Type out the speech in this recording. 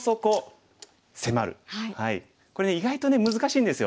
これね意外と難しいんですよ。